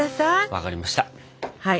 分かりました。